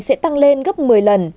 sẽ tăng lên gấp một mươi lần